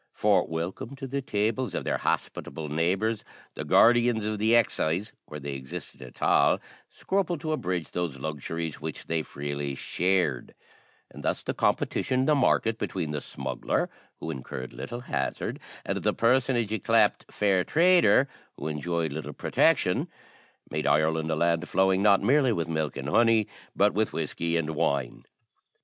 For, welcome to the tables of their hospitable neighbours, the guardians of the excise, where they existed at all, scrupled to abridge those luxuries which they freely shared; and thus the competition in the market between the smuggler, who incurred little hazard, and the personage ycleped fair trader, who enjoyed little protection, made Ireland a land flowing, not merely with milk and honey, but with whiskey and wine.